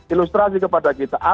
ilustrasi kepada kita artinya